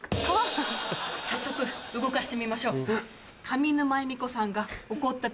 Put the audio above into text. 早速動かしてみましょう。